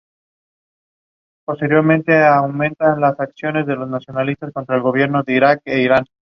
Muchas de ellas se encuentran en mal estado o inclusive sin pavimentar.